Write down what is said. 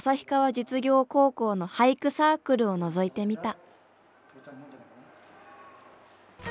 実業高校の俳句サークルをのぞいてみた。